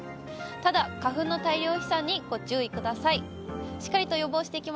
ただ花粉の大量飛散にご注意ください。